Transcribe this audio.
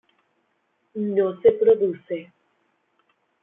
No se produce.